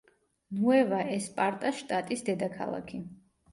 ნუევა-ესპარტას შტატის დედაქალაქი.